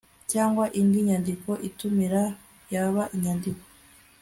cyangwa indi nyandiko itumira yaba inyandiko